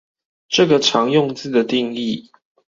這個常用字的定義